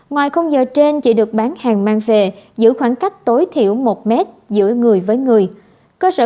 ngoài khung giờ trên chỉ được bán hàng mang về giữ khoảng cách tối thiểu một mét giữa người với người